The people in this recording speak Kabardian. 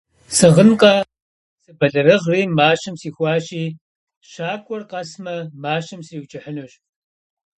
- Сыгъынкъэ: сыбэлэрыгъри мащэм сихуащи, щакӏуэр къэсмэ, мащэм сриукӏыхьынущ.